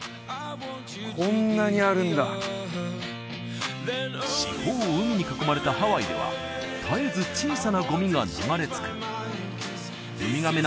こんなにあるんだ四方を海に囲まれたハワイでは絶えず小さなゴミが流れ着くウミガメ